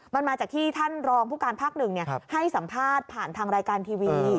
มันมาจากที่ท่านรองผู้การภาคหนึ่งให้สัมภาษณ์ผ่านทางรายการทีวี